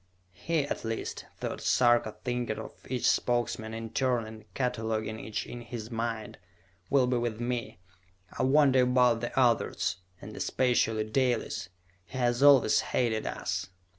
"He, at least," thought Sarka, thinking of each Spokesman in turn and cataloguing each in his mind, "will be with me. I wonder about the others, and especially Dalis. He has always hated us!"